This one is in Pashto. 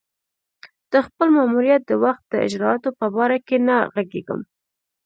د خپل ماموریت د وخت د اجرآتو په باره کې نه ږغېږم.